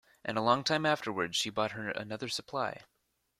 And a long time afterwards she brought her another supply.